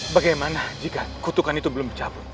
bagaimana jika kutukan itu belum dicabut